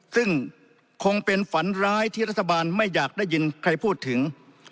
ซึ่งคงเป็นฝันร้ายที่รัฐบาลไม่อยากได้ยินใครพูดถึง